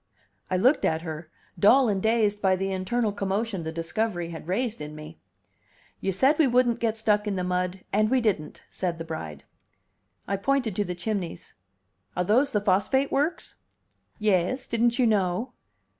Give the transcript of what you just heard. I looked at her, dull and dazed by the internal commotion the discovery had raised in me. "You said we wouldn't get stuck in the mud, and we didn't," said the bride. I pointed to the chimneys. "Are those the phosphate works?" "Yais. Didn't you know?"